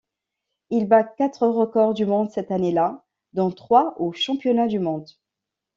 Il bat quatre records du monde cette année-là, dont trois aux championnats du monde.